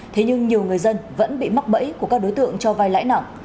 thế nhưng nhiều người dân vẫn bị mắc bẫy của các đối tượng cho vai lãi nặng